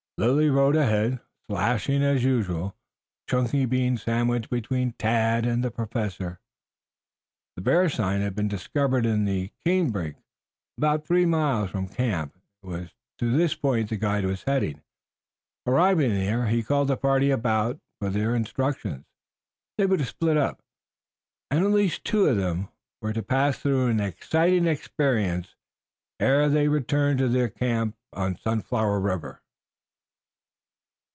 Lilly rode ahead, slashing as usual, Chunky being sandwiched between Tad and the Professor. The "bear sign" had been discovered in the canebrake about three miles from camp. It was to this point that the guide was heading. Arriving there he called the party about him for their instructions. They were to split up, and at least two of them were to pass through an exciting experience ere they returned to their camp on Sunflower River.